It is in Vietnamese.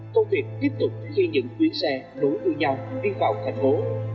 công việc tiếp tục khi những chuyến xe đối với nhau đi vào thành phố